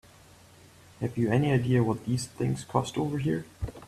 Have you any idea what these things cost over here?